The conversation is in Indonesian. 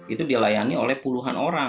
itu dilayani oleh puluhan orang